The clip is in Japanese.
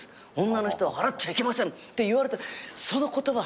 女の人は払っちゃいけません！」って言われたその言葉